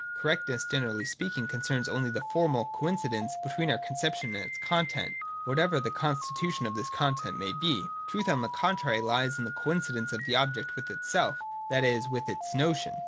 Correctness, generally speaking, concerns only the formal coincidence between our conception and its content, whatever the con stitution of this content may be. Truth, on the contrary, lies in the coincidence of the object with itself, that is, with its notion.